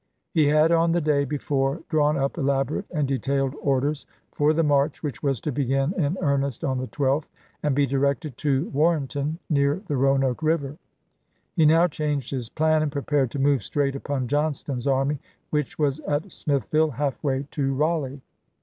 He had, on the day before, drawn up elaborate and detailed orders for the march which was to begin April, 1865. in earnest on the 12th, and be directed to Warren ton, near the Roanoke River. He now changed his plan and prepared to move straight upon John ston's army, which was at Smithfield, half way to Raleigh.